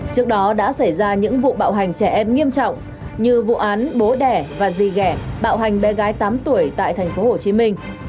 trước đó đã xảy ra những vụ bạo hành trẻ em nghiêm trọng như vụ án bố đẻ và di dẻ bạo hành bé gái tám tuổi tại thành phố hồ chí minh